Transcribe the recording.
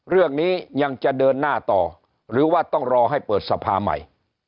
เรื่องนี้ยังจะเดินหน้าต่อหรือว่าต้องรอให้เปิดสภาใหม่